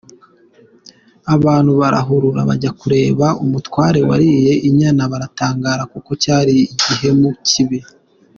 Abantu barahurura bajya kureba umutware wariye inyana baratangara kuko cyari igihemu kibi.